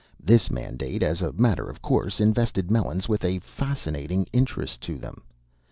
This mandate, as a matter of course, invested Melons with a fascinating interest to them.